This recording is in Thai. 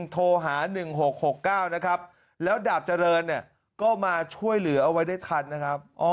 โทรหา๑๖๖๙นะครับแล้วดาบเจริญเนี่ยก็มาช่วยเหลือเอาไว้ได้ทันนะครับ